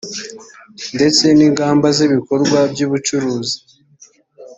ndetse n ingamba z ibikorwa by ubucuruzi